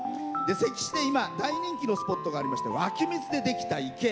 関市で今大人気のスポットは湧き水で、できた池。